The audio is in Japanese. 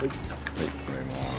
はいもらいます。